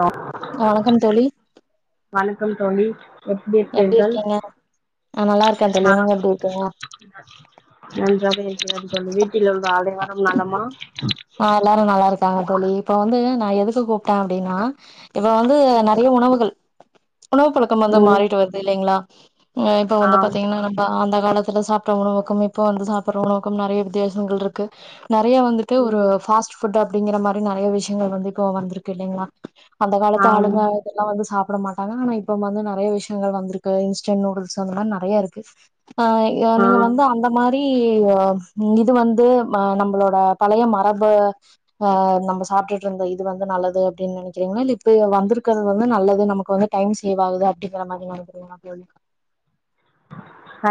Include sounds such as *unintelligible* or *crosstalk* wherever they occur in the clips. Hello வணக்கம் தோழி கம் தோழி எப்படி எப்டி இருகேர்கள் இருக்கீங்க ஆ நல்லா இருக்கே தோழி ந நீங்க எப்டி இருக்கீங்க நன்றாக இருக் செரி தோழி வீட்டில் உள்ள அனைவரு நலமா ஆ எல்லாருஃநல்லா இருக்காங்க தோழி இப்ப வந்து நா எதுக்கு கூப்பிட்டே அப்படின்னா இப்ப வந்து ம் நிறைய உணவுகள் உணவு பழக்கம் வந்து ம் மாறிட்டு வருது இல்லைங்களா இப்ப வந்து ஆம் பாத்தீங்கன்னா நம்ப அந்த காலத்துல சாப்ட்ட உணவுக்கும் இப்ப வந்து சாப்பிற உணவுக்கும் நிறைய வித்தியாசங்கள் இருக்கு நிறைய க்கு ஒரு ம் பாஸ்ட் ஃவூட் அப்படிங்கிற மாரி நிறைய விஷயங்கள் வந்து இப்போ வந்திருக்கு இல்லைங்களா அந்த காலத்து ஆம் ஆளுங்க இதெல்லா வந்து சா சாப்பட மாட்டாங்க ஆனா இப்ப வந்து நறைய விஷயங்கள் வந்திருக்கு இன்ஸ்டன்ட நூடுல்ஸ் அந்த மாதரி நறைய இருக்கு ஆ ஆ நீங்க வந்து அந்த மாரி *unintelligible* இது வந்து நம்மளோட பழைய மரபு அஹ் நம்ம சாப்பிட்டுட்டு இருந்த இது வந்து நல்லது அப்படின்னு நினைக்கிறீங்களா இல்ல இப்ப வந்திருக்கிறது வந்து நல்லது நமக்கு வந்து டைம் சேவ் ஆகுது அப்படிங்கிற மாதிரி நினைக்கிறீங்களா தோழி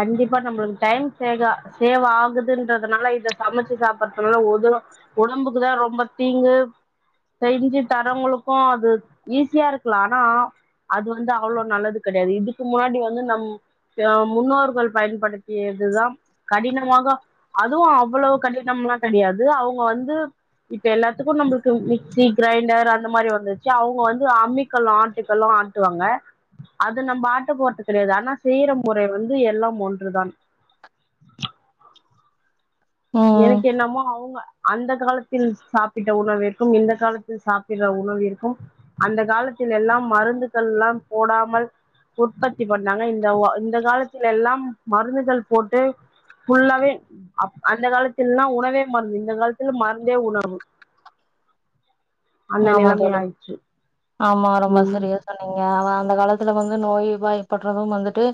கண்டிப்பா நம்மளுக்கு டைம் சேக சேவ் ஆகுதுன்றதுனால இத சமைச்சு சாப்படுறதுனால ஒத உடம்புக்குதா ரொம்ப தீங்கு செஞ்சு தரவங்களுக்கு அது ஈஸியா இருக்கலா ஆனா அது வந்து அவளோ நல்லது கிடையாது இதுக்கு முன்னாடி வந்து நம் முன்னோர்கள் பயன்படுத்தியதுதா கடினமாக அதுவு அவ்வளவு கடினம் எல்லா கிடையாது அவங்க வந்து இப்ப எல்லாத்துக்கும் நம்மளுக்கு மிக்சி கிரைண்டர் அந்த மாதிரி வந்துச்சு அவங்க வந்து அம்மிக்கல்லு ஆட்டுக்கல்லு ஆட்டுவாங்க அது நம்ம ஆட்ட போறது கிடையாது ஆனா செய்யற முறை வந்து எல்லாம் ஒன்றுதான் ம் எனக்கு என்னமோ அவங்க அந்த காலத்தில் சாப்பிட்ட உணவு இருக்கும் இந்த காலத்தில் சாப்பிடுற உணவு இருக்கும் அந்த காலத்தில் எல்லாம் மருந்துகள்ல்லாம் போடாமல் உற்பத்தி பண்ணாங்க இந்த இந்த காலத்தில் எல்லாம் மருந்துகள் போட்டு ஃபுல்லாவே ஆப் அந்த காலத்தில்லலா உணவே மருந்து இந்த காலத்துல மருந்தே உணவு அந்த ஆமா நிலைமை தோழி ஆயிடுச்சு ஆமா ரொம்ப ம் சரியா சொன்னீங்க அந்த காலத்துல வந்து நோய்வாய்ப்படுறது வந்துட்டு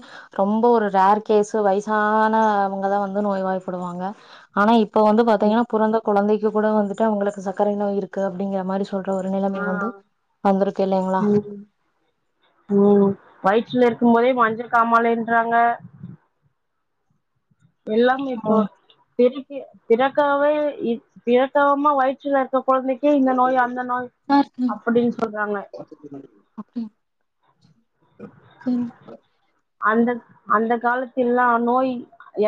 ரொம்போ ஒரு ரேர் கேஸ் வயசானவங்கதா வந்து நோய்வாய்படுவாங்க ஆனா இப்ப வந்து பாத்தீங்கனா புறந்த குழந்தை *unintelligible* கூட வந்துட்டு அவுங்களுக்கு சர்க்கரை நோய் இருக்கு அப்படிங்கிற மாரி சொல்லி ஆ இல்லைங்களா ம் ம் வயிற்றுல இருக் பிறக்கும்போதே மஞ்சள் காமாலைன்றாங்க எல்லாமே இப்போ ம். பெரிப் திறக்கவே திறக்காம வயிற்றுல இருக்க கொழந்தைக்கே இந்த நோய் அந்த நோய் அப்டின்னு சொல்றாங்க அப்டி *unintelligible* அந்த அந்த காலத்தில்லா நோய்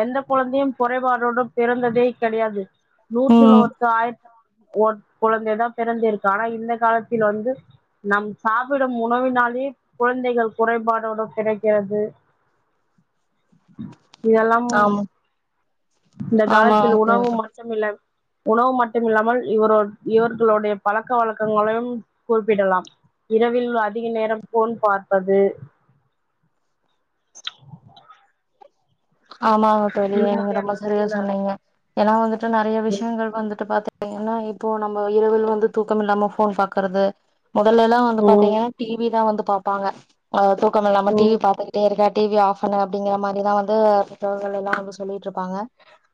எந்த கொழந்தையு கொறைபாடோட பிறந்ததே கிடையாது நூற்றுல ம் ஒருத்த ஆயி ஒர் கொழந்த தா பிறந்திருக்கு ஆனா இந்த காலத்தில வந்து நம் சாப்டு உணவினாலேயே குழந்தைகள் குறைபாடோட பிறக்கிறது து இதெல்லாம் ஆமா இந்த ஆமாங்க காலத்துல உணவு தோழி மட்டும் இல்ல உணவு மட்டுமில்லாமல் இவரோ இவர்களுடைய பழக்க வழக்கங்களையும் குறிப்பிடலாம் இரவில் அதிக நேரம் ஃபோன் பார்ப்பது ஆமா தோலி இந்த நீங்க ரொம்ப மாதிரியான சரியா சில சொன்னீங்க ஏனா வந்து ட்ட நறைய விஷயங்கள் வந்துட்டு பாத்தே ஏனா இப்போ நம்ம இரவில் வந்து தூக்கம் இல்லாம ஃபோன் பாக்குறது மொதல்லலா வந்து ம் பாத்தீங்கனா டிவி தா வந்து பாப்பாங்க அ தூக்கம் இல்லாம டிவி ம் பாத்துக்கிட்டே இருக்க டிவி ஆஃப் அடிங்க மாரிதா *unintelligible* புத்தகங்கள் எல்லா வந்து சொல்லிட்டுருப்பாங்க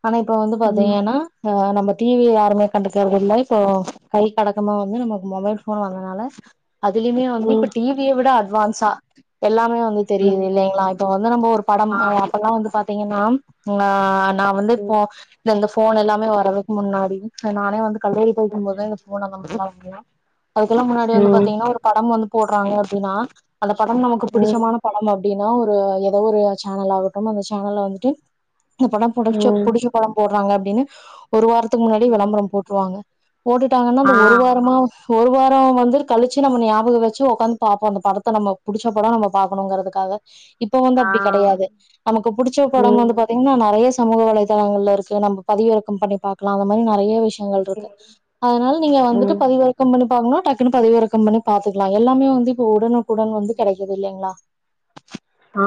ஆனா இப்ப வந்து ம் பாத்தீங்கன்னா ம் நம்ம டிவி யாருமே கண்டுக்கருதில்ல இப்போ கைக்கு அடக்கமா வந்து நமக்கு மொபைல் ஃபோன் வந்ததனால அதுலயுமே வந்து ம் இப்ப டிவிய விட அட்வான்ஸ் ச எல்லா இப்பயோ வந்து ம் தெரியுதில்லைங்களா இப்ப வந்து நம்ம ஒரு படம் ஆ அ அப்பா வந்து பாத்தீங்கனா அ நா வந்து இப்போ இந்த போன் எல்லாமே வறதுக்கு முன்னாடி நானே வந்து கல்லூரி படிக்கும்போதே *unintelligible* *unintelligible* அதுக்கெல்லா முன்னாடி வந்து ம் பாத்தீங்ன்னா ஒரு படம் வந்து போடுறாங்க அப்படின்னா அந்த படம் நமக்கு ம் புடிச்சமான படம் அத் பின்னா ஒரு ஏதோ ஒரு சேனல் ஆகட் கம்மா உங்க சேனல்ல வந்துட்டு எங்க படம் புடிச்ச ம் புடிச்ச படம் போட்றாங்க ங்க ஒரு வாரத்துக்கு முன்னாடி ம் விளம்பரம் போட்டுருவாங்க போட்டுட்டாங்கன்னா அந்த ஆ ஒரு வாரமா ஒரு வாரம் வந்து கழிச்சு நம்ம ஞாபக வெச்சு ஒக்காந்து பார்ப்போ அந்த படத்த நம்ம புடிச்ச படோ நம்ம பாணுங்கறிறதுக்காக இப்ப வந்து ஆ அப்படி கெடையாது நமக்கு புடிச்ச படம் வந்து ம் பாத்திங்ன்னா நெறயச் சமூக வலைதளங்கல்லருக்கு நம்ப பதிவிறக்கம் பண்ணி பாக்லா அந்த மாரி நெற் றைய விஷ்யங்கள் ம் இருக்கு அதனால நீங்க வந்துட்டு ம் பதிவிறக்கம் பண்ணி பாக்னுனா டக்குன்னு பதிவிறக்கம் பண்ணி பாத்துக்கலா எல்லாமே வந்து உடனுக்குடன் வந்து கேடைக்குது இல்லைங்ளா ஆ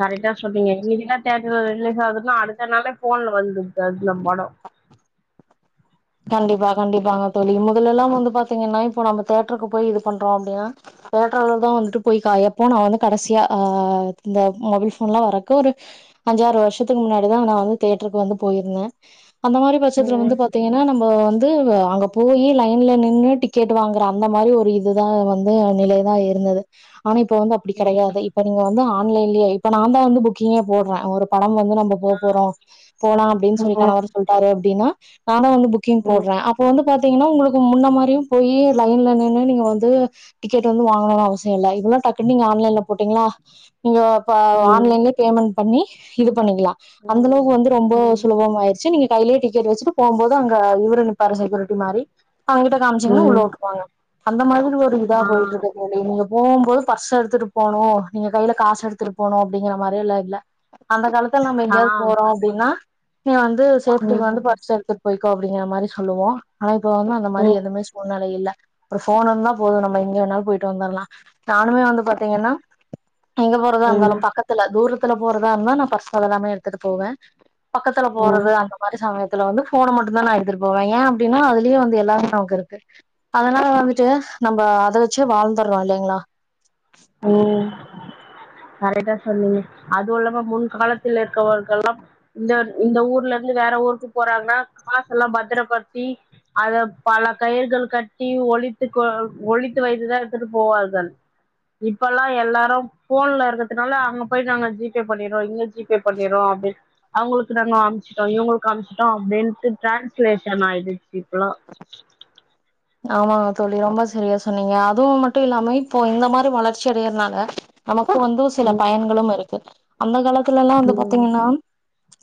கரெட்டா சொன்னீங்க இன்னிகுதா தேட்ர்ல ரிலீஸ் ஆவுதுன்னா அடுத்த நாளே ஃபோன்ல வந்துற்து அந்த படோ கண்டிப்பா கண்டிப்பாங்க தோழி முதலெல்லாம் வந்து பாத்திங்கன்னா இப்போ நம்ம தேட்ருக்கு போய் இது பண்றோ அப்டின்னா தேட்ருலதான் வந்துட்டு போய் கயப்போ நா வந்து கடசியா ஆ இந்த மொபல் ஃபோன்ல்லா வரற்க்கு ஒரு அஞ்சாறு வருஷ்ஷத்துக் முன்னாடிதான் நா வந்து தேட்ருக்கு வந்து போயிருந்த அந்த மாறி பட்சத்துல ம் வந்து பாத்திங்க நம்ம வந்து அங்க போயி லைன்ல நின்னு டிக்கெட் வாங்ற அந்த மாறி ஒரு இதுதான் வந்து நிலைதான் இருந்தது ஆனா இப்ப வந்து அப்டி ம் கேடையாது இப்ப நீங்க வந்து ஆன்லைன்லயே இப்ப நான் தா வந்து புக்கிங்கே போட்றேன் ஒரு ப டம் வந்து நம்ப போ போறோ போலா அப்டின் சொல் ம் கணவர் சொல்ட்டாரு டினா ஆனா வந்து பா புக்கிங் ம் போட்ற அப்ப வந்து பாத்திங்ன்னா உங்ளுக்கு முன்ன மாறியும் போயி லைன்ல நின்னு நீங்க வந்து டிக்கெட்டு வந்து வாங்னுன்னு அவசியோ இல்ல இதுனா டக்னுன்னு நீங்க ஆன்லைன்ல போட்டிங்ளா இங்க ப ம் ஆன்லைன்லே பேமண்ட் பண்ணி இது பண்ணிக்லா ம் அந்தளவுக்கு வந்து ரொம்போ ம் சுலபோம் ஆய்ருச்சு நீங்க கைய்லியே டிக்கெட் வச்சிட்டு போவும்போது அங்க இவ்ரு நிப்பாரு செக்யுரிட்டி மாறி அவ்ங்கிட்ட காமிச்சிங்ன்னா உள்ள ம் உட்ருவாங்க அந்த மாதிரி ஒரு இதா ஆ போயிட்ருக்கு தோழி நீங்க போவும்போது பர்ஸ் எடுத்துட்டு போணும் நீங்க கையில காஸ் எடுத்துட்டு போணும் அப்டிங்கிற மாறியல்ல இல்ல அந்த காலத் இப்ப நாங்க ஆ எங்கயாது போறோ அப்டின்னா நீங்க வந் து ம் சோப்துங்க வந்து ம் பார்த்த சாரதி போய்கோ அப்டிங்ற மாறி சொல்லுவோம் ஆனா இப்ப வந்து அந்த மாதிரி ம் எவுமே சூழ்நிலை இல்ல அப்பற ஃபோன் இருந்தா போது நம்ம எங்கே வேணாலு போய்ட்டு வந்துரலா நானுமே வந்து பாத்திங்கன்னா எங்க போறதா இருந்தாலு பக்கத்துல தூரத்துல போறதா இருந்தா நா பர்ஸ் அதெல்லாமே எடுத்துட்டு போவே பக்கத்துல போறது ம் அந்த மாரி சமயத்துல வந்து போன மட்டுதா நா எடுத்துட்டு போவே ஏ அப்டின்னா அதுலயே வந்து எல்லாமே நமக்கு இருக்கு அதுனால வந்துட்டு நம்ம அத வெச்சு வாழ்ந்தறோ இல்லைங்களா ம் கரெக்டா சொன்னீங்க அது உலகோ முன் காலத்துல இருக்கிறவர்களாம் இந்த இந்த ஊர்ல இருந்து வேற ஊருக்கு போறாங்கன்னா காசு எல்லா பத்திரப்படுத்தி அத பல கயிர்கள் கட்டி ஒழித்து கொ ஒழித்து வைத்துதா எடுத்துட்டு போவோர்கள் இப்பல்லா எல்லாரும் போன்ல இருக்கதுனால அங்க போய் நாங்க ஜிபே பண்ணிறோ இங்க ஜிபே பண்ணிறோ அப்டின் அவுங்களுக்கு நாங்க அம்முச்சுட்டோ இவுங்களுக்கு அம்முச்சுட்டோ அப்டின்ட்டு ட்ரேன்ஸ்லேஷன் ஆயிடுச்சு இப்புல ஆமாங்க தோழி ரொம்ப செரியா சொன்னீங்க அதுவும் மட்டு இல்லாம இப்போ இந்த மாதிரி வளர்ச்சி அடையதுனால நமக் இப்போ வந்து சில ம் பயன்களும் இருக்கு அந்த காலத் த்துல்லா வந்து ம் பாத்தீங்கன்னா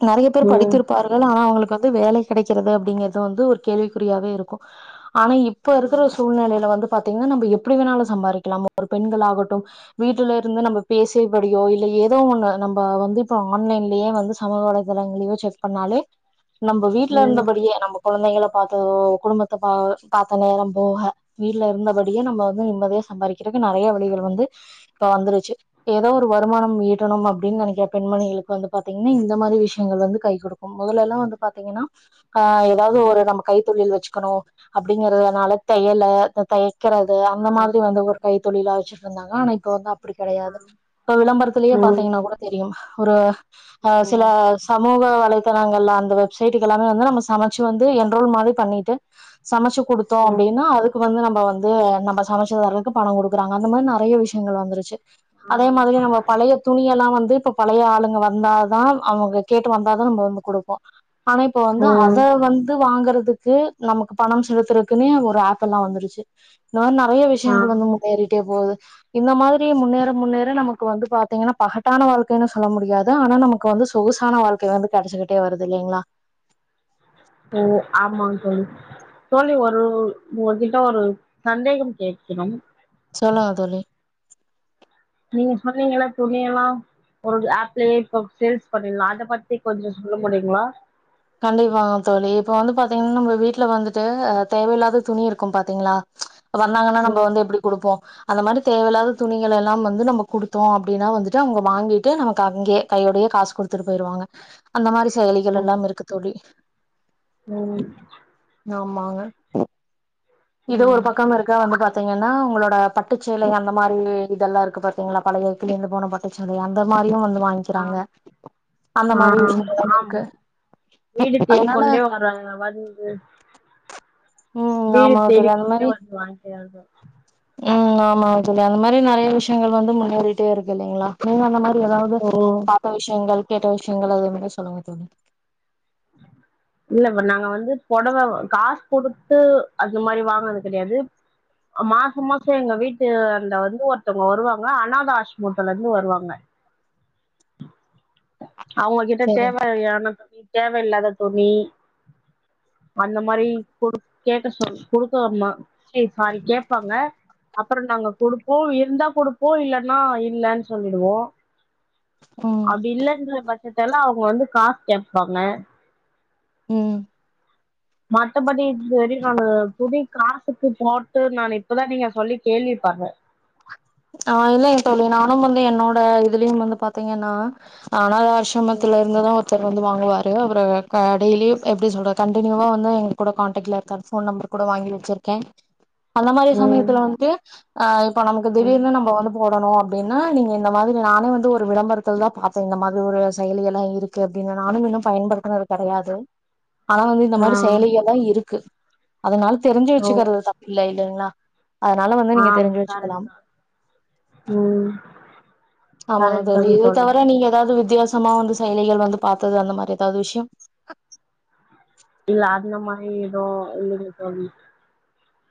நெறைய பேர் ம் படித்திருப்பார்கள் ஆனா அவுங்களுக் க்காக வேலை கிடைக்கிறது அப்டிங்கிறது வந்து ஒரு கேள்விக்குறியாவே இருக்கு ஆனா இப்ப இருக்குற ம் சூழ்நிலைல வந்து பாத்தீங்கன்னா நம்ம எப்புடி வேணாலு சம்பாரிக்கலா ஒரு பெண்களாட்டு வீட்டுல இருந்து நம்ம பேசியபடியோ இல்ல ஏதோ ஒண்ணு நம்ம வந்து இப்ப ஆன்லைன்லயே வந்து சமூக வலைதளங்களயோ செக் பண்ணாலே நம்ம வீட்ல ம் இருந்தபடியே நம்ம கொழந்தைங்கள பாத்ததோ குடும்பத்த பா பாத்த நேரம் போக வீட்டுல இருந்தபடியே நம்ம வந்து நிம்மதியா சம்பாரிக்கிறதுக்கு நெறைய வழிகள் வந்து இப்ப வந்துருச்சு ஏதோ ஒரு வருமானம் ஈட்டணும் அப்டின் நினைக்கிற பெண்மணிகளுக் வந்து பாத்தீங்கன்னா இந்த மாரியி விஷியங்கள் வந்து கை குடுக்க முதல எல்லா வந்து பாத்தீங்குன்னா ஆஹ ஏதாவுது ஒரு நம்ம கைத் தொழில் வெச் க்கனு அப்டிங்குறதுனால தையில இந் தை க்கிறது அந்த மாரி வந்து ஒரு கை தொழிலா வெச்சுட்ருந்தாங்க அனா இப்ப வந்து அப்டி கெடையாது இப்ப விளம்பரத்திலேயே ம் ம் பாத்தீங்கன்னா கூட தெரியு ஒரு ஆ சில சம *unintelligible* வலைத்தளங்கள்ளா அந்த வெப்சைட்டுக்கு எல்லாமே வந்து நம்ம சமச்சு வந்து என்ரோல் மாதிரி பண்ணிட்டு சமச்சு குடுத்தோ அப்டின்னா அதுக்கு வந்து நம்ம நம்ம வந்து நம்ம சமச்சுதரக்கு பணோ குடுக்குறாங்க அந்த மாரி நறியா விஷயங்கள் வந்துருச்சு அதே மாதிரி நம்ம பழைய துணி எல்லா வந்து து இப்ப பழைய ஆளுங்க வந்தா தா அவுங்க கேட்டு வந்தா தா நம்ம வந்து குடுப்போ ஆனா இப்ப வந்து அத ம் ம் வந்து வாங்க ததுக்கு நமக் பணம் செலுத்துருக்குன்னே ஒரு ஆப்பு எல்லா வந்துருச்சு நா நறியா ஆ விஷயங்கள் வந்து முன்னேறிட்டே போகுது இந்த மாதிரி முன்னேற முன்னேற நமக்கு வந்து பாத்தீங்கன்னா பகட்டான வாழ்க்கைனு சொல்ல முடியாது ஆனா நமக்கு வந்து சொகுசான வாழ்க்கை வந்து கடச்சிக்கிட்டே வருது இல்லைங்குளா ஓ ஆமாங் தோழி தோழி ஒரு உங்ககிட்ட ஒரு சந்தேகம் கேக்கிணும் சொல்லுங்க தோழி நீங்க சொன்னீங்கல துணிய எல்லா ஒரு ஆப்லயே ஒரு சேல்ஸ் பண்ணிடலா அத பத்தி கொஞ்சோ சொல்ல முடியுங்களா கண்டிபாங்க தோழி இப்ப வந்து பாத்தீங்கன்னா நம்ம வீட்டுல வந்துட்டு அ தேவையில்லாத துணியிருக்கும் பாத்தீங்களா வந்தாங்கன்னா நம்போ ம் வந்து எப்டி குடுப்போ அது மாரி தேவைலாத துணிகள் எல்லாம் வந்து நம்ம கூடுத்தோம் அப்டின்னா வந்துட்டு அவுங்க வாங்கிட்டு நமக்கு அங்கே கையோடயே காசு குடுத்துட்டு இச் போயிருவாங்க அந்த மாரி செயலிகள் ம் எல்லாம் இருக்கு தோழி ம் ஆம் தோ வாங்க இது ஒரு ம் பக்கம் இருக்கா வந்து பாத்தீங்கன்னா உங்களோட பக் பட்டுச்சேலஅந்த மாரி இதெல்லா இருக்கு பாத்தீங்களா பழைய கிழிஞ்சு போன பட்டுச்சேல அந்த மாரியும் வன்ட்டு ஆ வாங்கிக்கிறாங்க அந்த ஆ மாரி விஷயலும் ஆம் இருக்கு வீடு அதனால தேடிக்கொண்டே வராங்கலா வந்து ம் வீடு ஆமாங்க தோழி அந்த தேடிக்கொண்டே மாரி வந்து வாங்கிறாங்க ம் ஆமா ஆ தோழி அந்த மாரி நறைய விஷயங்கள் வந்து முன்னேறிட்டே இருக்கு இல்லலைங்களா நீங்க அந்த மாரி ஏதாவது ஓ பாத்த விஷயங்கள் கேட்ட விஷயங்கள அதுல இருந்து சொல்லுங்க தோழி இல்ல இப்ப நாங்க வந்து புடவ காஸ் குடுத்து அந்த மாரி வாங்குனுது கிடையாது மாசம் மாசம் எங்க வீட்டு இந்து வந்து ஒருத்தவங்க வருவாங்க அநாத ஹாஸ்ரமத்துல இருந்து ஒருத்தர் வருவாங்க அவுங்ககிட்ட செரிங் தேவையான துணி தேவயில்லாத துணி அந்த மாரி கொடு கேட்டு சொ கொடுக்க சி சாரி கேட்பாங்க அப்புறோ நாங்க குடுப்போ இருந்தா குடுப்போ இல்லன்னா இல்லன்னு சொல்லிடுவோ ம் அப்டி இல்லன்ற பச் இதெல்ல அவுங்க வந்து காசு கேபாங்க உம் மத்தபடி இது வரி நா துணிக்கு புதுசு காசுக்கு போட்டு நா இப்பதா நீங்க சொல்லி கேள்விப்பட்றே ஆஹ் இல்லைங்க தோழி இப்ப நானு வந்து என்னோட இதுலயும் வந்து பாத்தீங்கன்னா அனதா ம் ஆஷிரமத்துல இருந்துதான் இது வந்து வாங்குவாரு அவரு கடையிலு எப்டி சொல்ற கண்டினுவா வந்து எங்க கூட கான்ட்ல இருக்காரு ஃபோன் நம்பர் கூட வாங்கி வச்சிருக்கே அந்த மாரி ம் சமயத்துல வன்டு ஆஹ் இப்ப நா ம் திடீர்னு நாம்ப போடணு அப்டின்னா நீங்க இந்த மாதிரி நானே வந்து ஒரு விளம்பரத்தல தா பாத்தே இந்த மாரி ஒரு செயலி எல்லா இருக்கு அப்டின்னு நானு இன்னு பயன்படுத்தினது கிடையாது ஆனா வந்து இந்த ஆ மாரி செயலிக இருக்கு அத நால தெரிஞ்சு ஓ வச்சுக்கறது தப்பில்ல இல்லைங்களா அதனால வந்து நீங்க தெரிஞ்சு வச்சுக்கலா உம் ஆமாங்க தோழி இத தவர நீங்க எதாவது வித்தியாச மா வந்து செயலிகள் வந்து பாத்தது அந்த மாரி எதாவது விஷயம் இல்ல அந்த மாரி எதோ இல்ல தோழி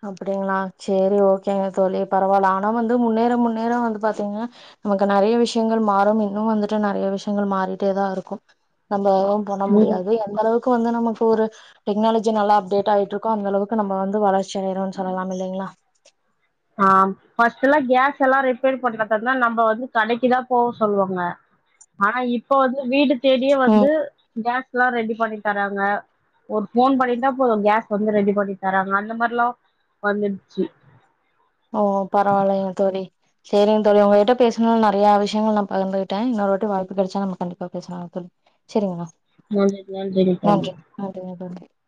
அப்டிங்ளா செரி ஓக்கேங்க தோழி பரவால ஆனா வந்து முன்னேர முன்னேர வந்து பாத்தீங்ன்னா நமக்கு நறைய விஷயங்கள் மாறும் இன்னும் வந்துட்டு நறைய விஷயங்கள் மாறிட்டேதா இருக்கு ந வேறெதோ பண்ண ம் முடியாது அந்த அளவுக் கு வந்து நம்ம ஃபோரு டெக்னாலஜிய நல்லா அப்டேட் ஆயீட்ருக்கோ அந்த அளவுக்கு நம வந்து வளர்ச் செயிரோன்னு சொல்லலாம் இல்லைங்ளா ஆம் ஃபர்ஸ்ட்டுல கேஸ் எல்லா ரிப்பேர் பண்றதர்தந்தா நம்ப வந்து கடைக்குதா போ சொல்லுவாங்க ஆனா இப்ப வந்து வீட்டு தேடியே ம் வந்து கேஸ்லா ரெடி பண்ணி தராங்க ஒரு போன் பண்ணிட்டா போதோ கேஸ் வந்து ரெடி பண்ணி தராங்க அந்த மாரில்லா வந்துடுச்சு ஓ பரவாலையேங் தோழி செரிங்க தோழி உங்ககிட்ட பேசணுல்ல நறைய விஷயங்கள் நா பகிந்துகிட்டே இன்னொருவாட்டி வா ப்பு கெடச்சா நம்ம கண்டிப்பா பேசலா தோழி செரிங்களா நன்றிங்க தோழி *unintelligible*